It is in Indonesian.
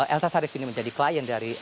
elsa sharif ini menjadi klien dari